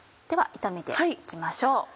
では炒めて行きましょう。